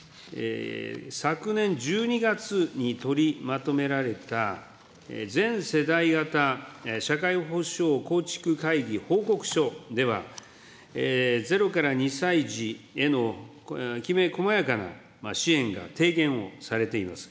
昨年１２月に取りまとめられた、全世代型社会保障構築会議報告書では、０から２歳児へのきめこまやかな支援が提言をされています。